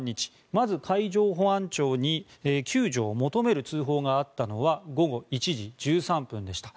まず海上保安庁に救助を求める通報があったのは午後１時１３分でした。